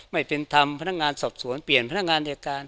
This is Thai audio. ไม่เป็นธรรมพนักงานสอบสวนเปลี่ยนพนักงานอายการ